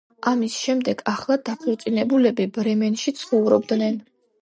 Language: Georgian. ამის შემდეგ, ახლად დაქორწინებულები ბრემენში ცხოვრობდნენ.